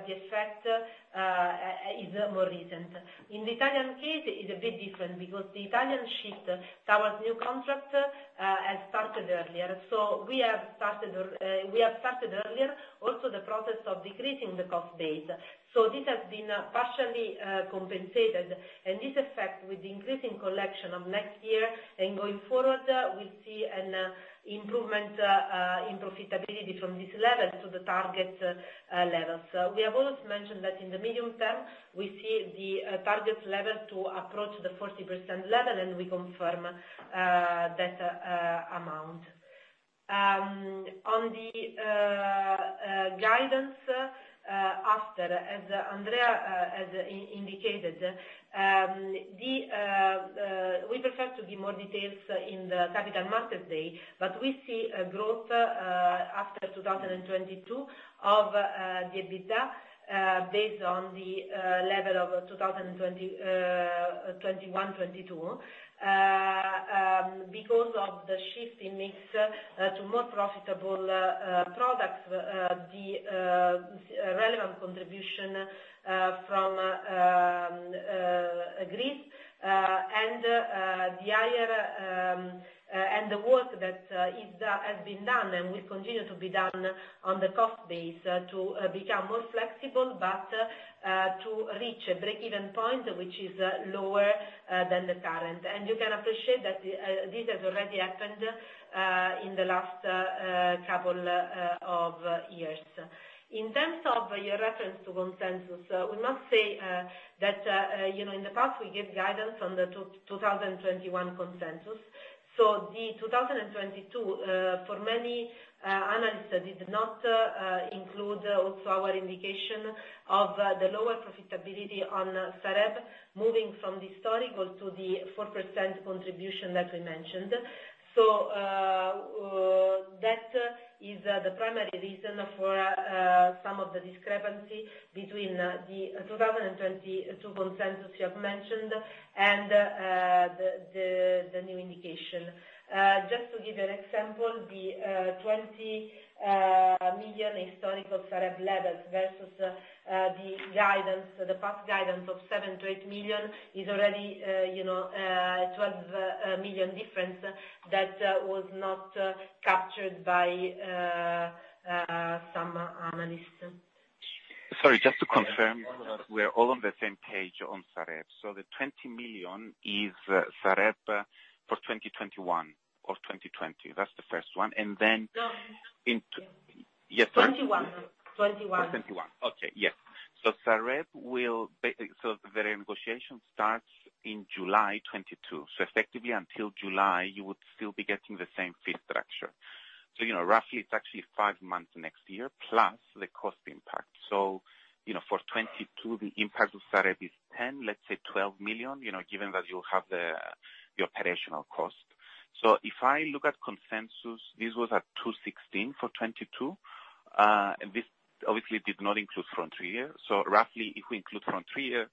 D: the effect is more recent. In the Italian case, it's a bit different because the Italian shift towards new contracts has started earlier. We have started earlier also the process of decreasing the cost base. This has been partially compensated and this effect with increasing collection of next year and going forward, we see an improvement in profitability from this level to the target level. We have also mentioned that in the medium term we see the target level to approach the 40% level, and we confirm that amount. On the guidance, after, as Andrea has indicated, we prefer to give more details in the Capital Markets Day, but we see a growth after 2022 of the EBITDA based on the level of 2020, 2021, 2022. Because of the shift in mix to more profitable products, the relevant contribution from Greece and the higher and the work that has been done and will continue to be done on the cost base to become more flexible, but to reach a break-even point which is lower than the current. You can appreciate that this has already happened in the last couple of years. In terms of your reference to consensus, we must say that you know, in the past we gave guidance on the 2021 consensus. The 2022 for many analysts did not include also our indication of the lower profitability on Sareb moving from the historical to the 4% contribution that we mentioned. That is the primary reason for some of the discrepancy between the 2022 consensus you have mentioned and the new indication. Just to give you an example, the 20 million historical Sareb levels versus the guidance, the past guidance of 7 million-8 million is already, you know, 12 million difference that was not captured by some analysts.
G: Sorry, just to confirm we're all on the same page on Sareb. The 20 million is Sareb for 2021 or 2020? That's the first one. Then,
D: No.
G: Yes.
D: 21.
G: 21. Okay. Yes. The negotiation starts in July 2022. Effectively until July you would still be getting the same fee structure. You know, roughly it's actually 5 months next year plus the cost impact. You know, for 2022 the impact of Sareb is 10 million, let's say 12 million, you know, given that you have the operational cost. If I look at consensus, this was at 216 million for 2022. This obviously did not include Frontier. Roughly if we include Frontier,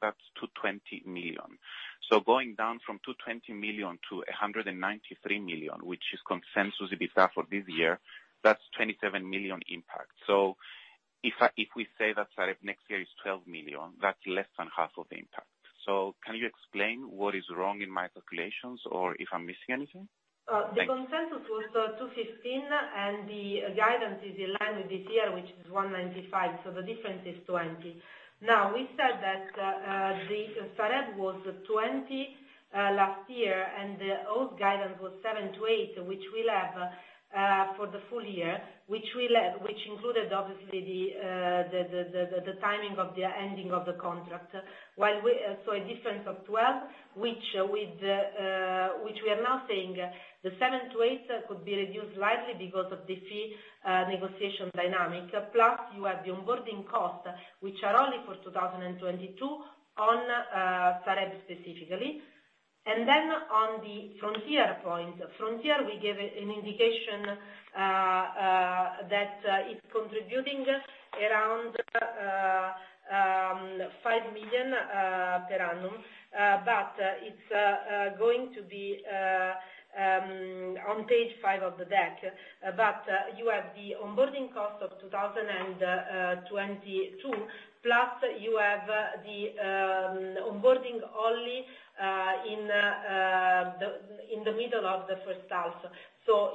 G: that's 220 million. Going down from 220 million to 193 million, which is consensus EBITDA for this year, that's 27 million impact. If we say that Sareb next year is 12 million, that's less than half of the impact. Can you explain what is wrong in my calculations or if I'm missing anything?
D: The consensus was 215 million, and the guidance is in line with this year, which is 195 million. The difference is 20 million. Now, we said that the Sareb was 20 million last year, and the old guidance was 7 million-8 million, which we'll have for the full year, which included obviously the timing of the ending of the contract. A difference of 12 million, which we are now saying the 7 million-8 million could be reduced slightly because of the fee negotiation dynamic. Plus you have the onboarding cost, which are only for 2022 on Sareb specifically. On the Frontier point. Frontier, we gave an indication that it's contributing around 5 million per annum. It's going to be on page 5 of the deck. You have the onboarding cost of 2022, plus you have the onboarding only in the middle of the first half.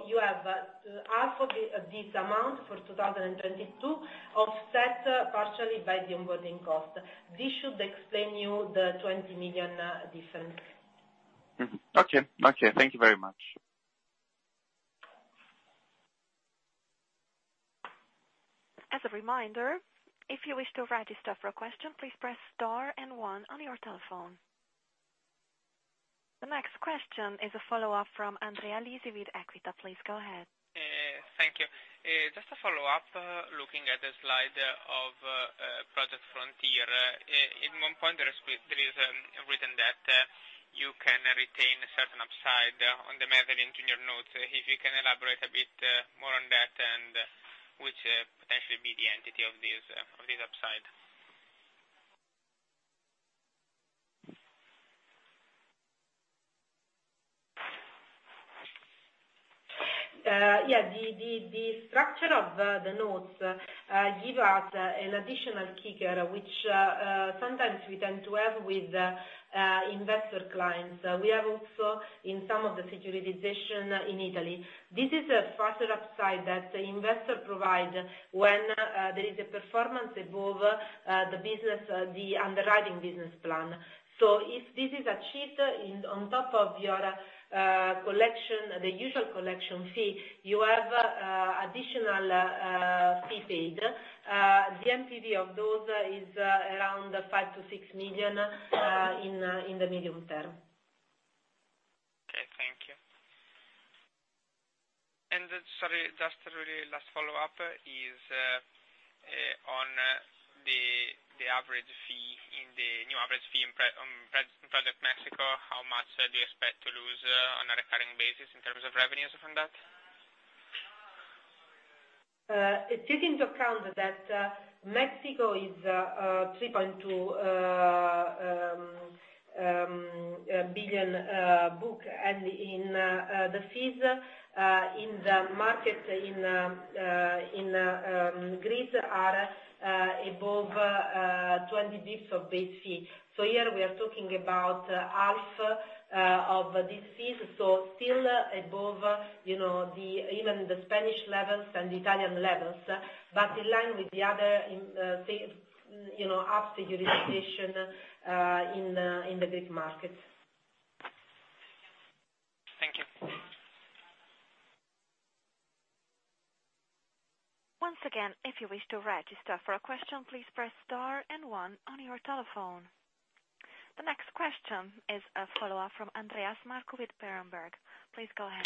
D: You have half of this amount for 2022, offset partially by the onboarding cost. This should explain to you the EUR 20 million difference.
G: Okay. Thank you very much.
A: The next question is a follow-up from Andrea Lisi with Equita. Please go ahead.
F: Thank you. Just a follow-up. Looking at the slide of Project Frontier. In one point there is written that you can retain a certain upside on the mezzanine notes. If you can elaborate a bit more on that and which potentially be the extent of this upside.
D: Yeah, the structure of the notes give us an additional kicker, which sometimes we tend to have with investor clients. We have also in some of the securitization in Italy. This is a faster upside that the investor provides when there is a performance above the business, the underwriting business plan. If this is achieved on top of your collection, the usual collection fee, you have additional fee paid. The NPV of those is around 5 million-6 million in the medium term.
F: Okay, thank you. Sorry, just really last follow-up is on the average fee in the new Project Mexico. How much do you expect to lose on a recurring basis in terms of revenues from that?
D: If you think about the fact that Mexico is EUR 3.2 billion book, and the fees in the market in Greece are above 20 basis points of base fee. Here we are talking about half of these fees. Still above, you know, the Spanish levels and Italian levels, but in line with the others, say, you know, after securitization in the Greek market.
F: Thank you.
A: Once again, if you wish to register for a question, please press star and one on your telephone. The next question is a follow-up from Andreas Markou with Berenberg. Please go ahead.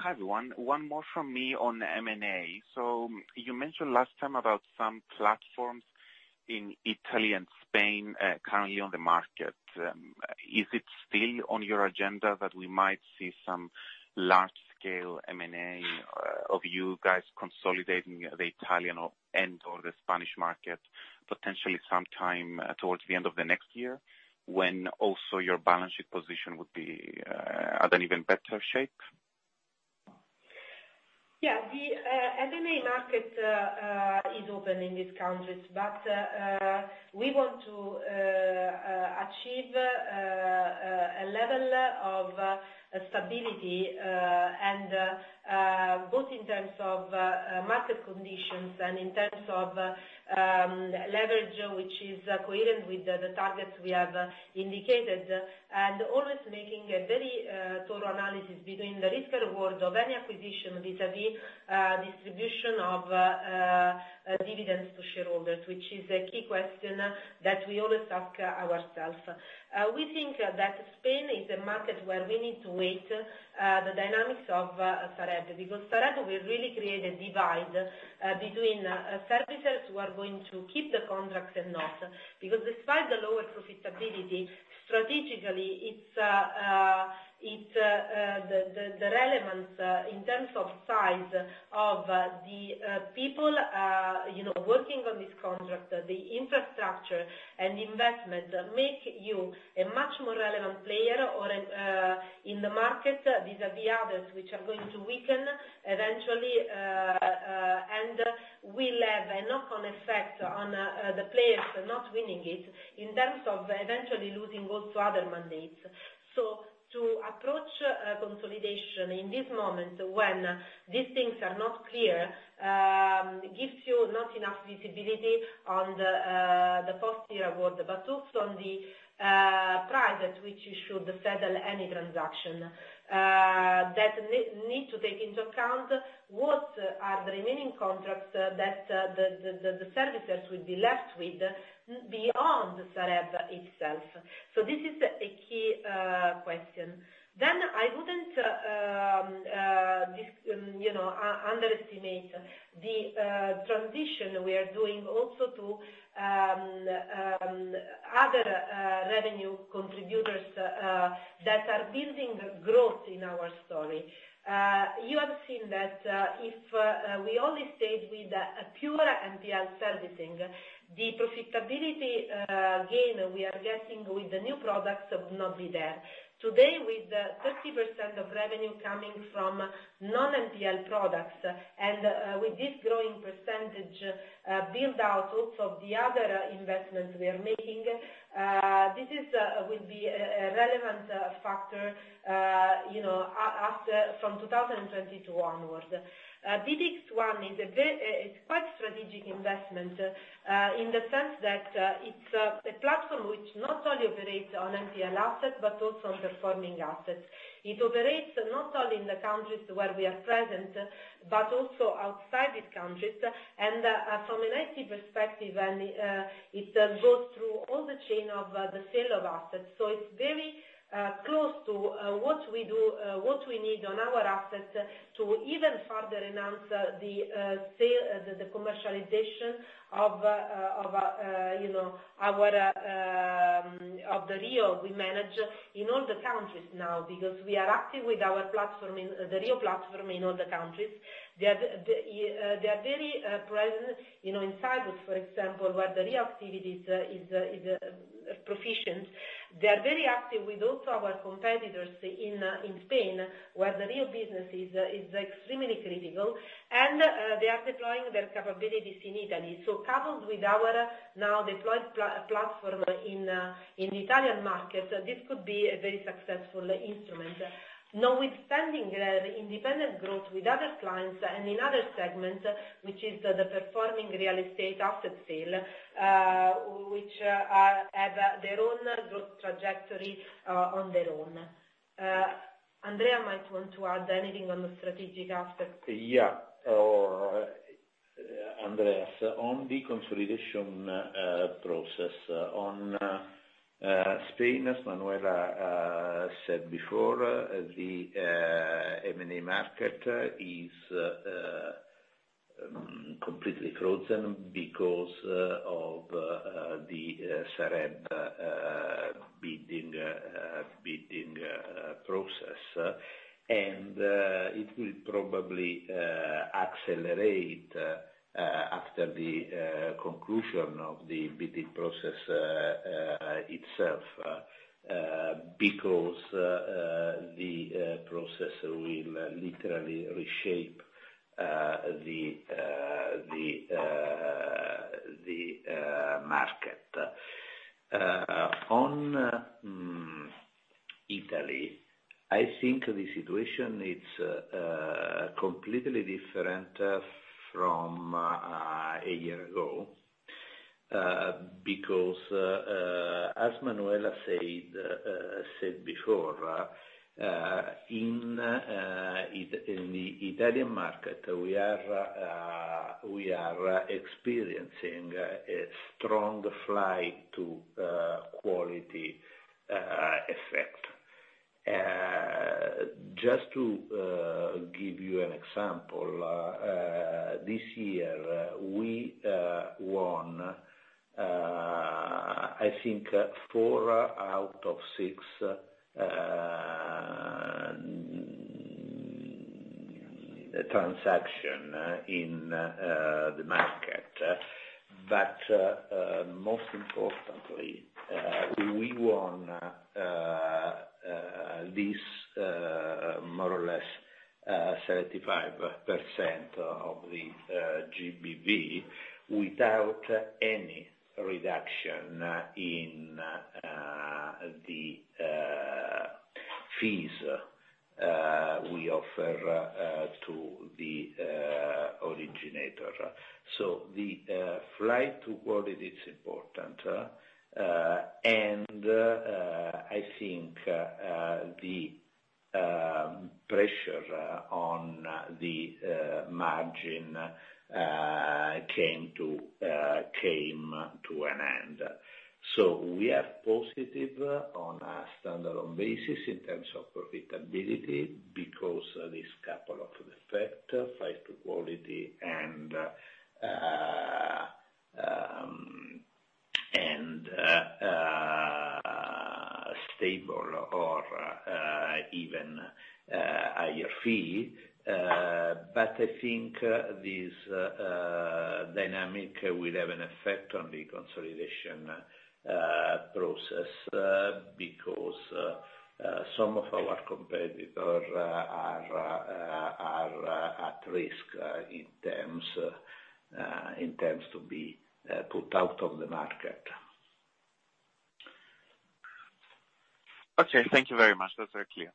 G: Hi, everyone. One more from me on M&A. You mentioned last time about some platforms in Italy and Spain, currently on the market. Is it still on your agenda that we might see some large scale M&A of you guys consolidating the Italian and/or the Spanish market potentially sometime towards the end of the next year, when also your balance sheet position would be at an even better shape?
D: Yeah. The M&A market is open in these countries, but we want to achieve a level of stability and both in terms of market conditions and in terms of leverage, which is coherent with the targets we have indicated. Always making a very thorough analysis between the risk and reward of any acquisition vis-à-vis distribution of dividends to shareholders, which is a key question that we always ask ourselves. We think that Spain is a market where we need to wait for the dynamics of Sareb, because Sareb will really create a divide between servicers who are going to keep the contracts and not. Because despite the lower profitability, strategically it's the relevance in terms of size of the people, you know, working on this contract, the infrastructure and investment make you a much more relevant player or in the market vis-à-vis others, which are going to weaken eventually, and will have a knock-on effect on the players not winning it in terms of eventually losing also other mandates. To approach a consolidation in this moment when these things are not clear gives you not enough visibility on the first year award, but also on the price at which you should settle any transaction that need to take into account what are the remaining contracts that the servicers will be left with beyond Sareb itself. This is a key question. I wouldn't you know underestimate the transition we are doing also to other revenue contributors that are building growth in our story. You have seen that if we only stayed with a pure NPL servicing the profitability gain we are getting with the new products would not be there. Today with 30% of revenue coming from non-NPL products and with this growing percentage build out also of the other investments we are making this is will be a relevant factor you know after from 2022 onwards. BidX1 is quite strategic investment in the sense that it's a platform which not only operates on NPL assets but also on performing assets. It operates not only in the countries where we are present but also outside these countries and from an IT perspective and it goes through all the chain of the sale of assets. It's very close to what we do what we need on our assets to even further enhance the sale, the commercialization of you know our of the REO we manage in all the countries now. Because we are active with our platform in the REO platform in all the countries. They are very present, you know, in Cyprus, for example, where the REO activity is proficient. They are very active with also our competitors in Spain, where the REO business is extremely critical. They are deploying their capabilities in Italy. Coupled with our now deployed platform in the Italian market, this could be a very successful instrument. Notwithstanding the independent growth with other clients and in other segments, which is the performing real estate asset sale, which have their own growth trajectory on their own. Andrea might want to add anything on the strategic aspect.
C: Yeah. Andreas. On the consolidation process on Spain, as Manuela said before, the M&A market is completely frozen because of the Sareb bidding process. It will probably accelerate after the conclusion of the bidding process itself because the process will literally reshape the market. On Italy, I think the situation is completely different from a year ago because as Manuela said before in the Italian market, we are experiencing a strong flight to quality effect. Just to give you an example, this year we won, I think, four out of six transactions in the market. Most importantly, we won this more or less 75% of the GBV without any reduction in the fees we offer to the originator. The flight to quality is important, and I think the pressure on the margin came to an end. We are positive on a standalone basis in terms of profitability because these couple of factors, flight to quality and stable or even higher fees. I think this dynamic will have an effect on the consolidation process because some of our competitors are at risk in terms to be put out of the market.
G: Okay. Thank you very much. That's very clear.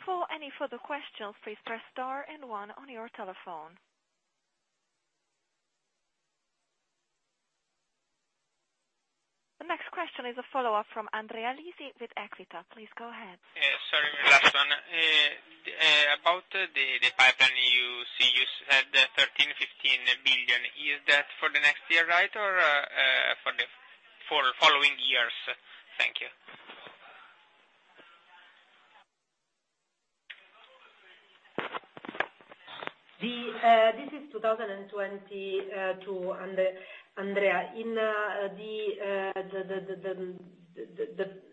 A: The next question is a follow-up from Andrea Lisi with Equita. Please go ahead.
F: Sorry, last one. About the pipeline you see, you said 13 billion-15 billion. Is that for the next year, right, or for following years? Thank you.
D: This is 2022, Andrea. In the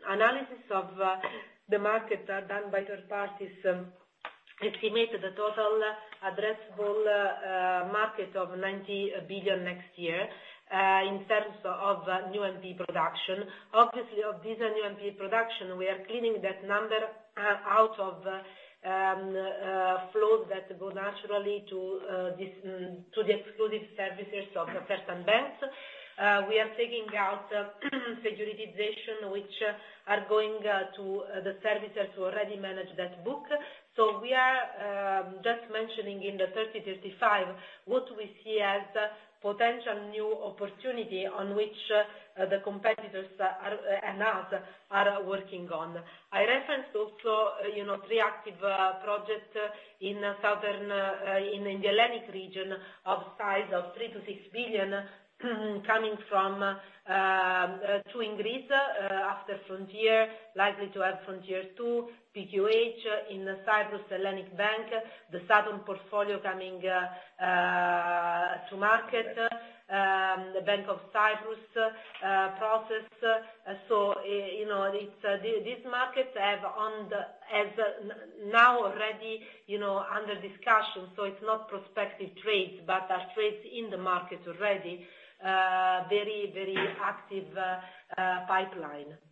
D: analysis of the market done by third parties estimated the total addressable market of 90 billion next year in terms of new NP production. Obviously, of this new NP production, we are cleaning that number out of flows that go naturally to the exclusive services of the first and best. We are taking out securitization which are going to the services who already manage that book. We are just mentioning in the 30-35 billion what we see as potential new opportunity on which the competitors and us are working on. I referenced also you know three active projects in southern in the Hellenic region of size of 3 billion-6 billion coming from the increase after Frontier likely to add Frontier 2, PQH in Cyprus, Hellenic Bank, the Saturn portfolio coming to market, Bank of Cyprus process. You know it's these markets have now already you know under discussion. It's not prospective trades but are trades in the market already very very active pipeline.
F: Thank you.